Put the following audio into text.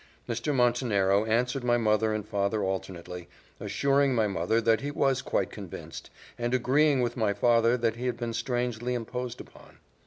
Mr. Montenero answered my mother and my father alternately, assuring my mother that he was quite convinced, and agreeing with my father that he had been strangely imposed upon.